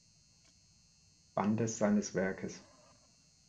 Bandes seines Werkes.